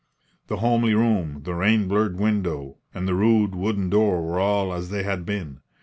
The homely room, the rain blurred window and the rude wooden door were all as they had been.